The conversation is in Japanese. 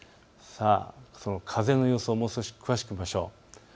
風の予想、もう少し詳しく見ましょう。